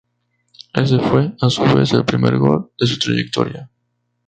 Ese fue, a su vez, el primer gol de su trayectoria.